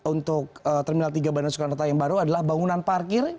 untuk terminal tiga bandara soekarno hatta yang baru adalah bangunan parkir